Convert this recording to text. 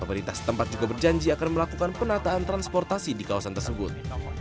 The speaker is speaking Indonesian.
pemerintah setempat juga berjanji akan melakukan penataan transportasi di kawasan tersebut